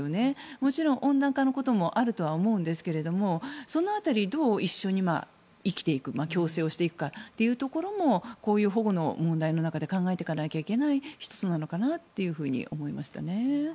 もちろん、温暖化のこともあるとは思うんですけどその当たりどう一緒に生きていく共生していくかというところもこういう保護の問題の中で考えていかないといけない１つなのかなというふうに思いましたね。